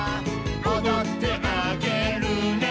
「おどってあげるね」